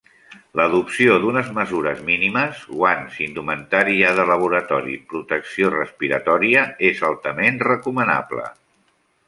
L’adopció d’unes mesures mínimes; guants, indumentària de laboratori, protecció respiratòria, és altament recomanable.